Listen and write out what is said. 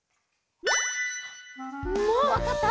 もうわかった？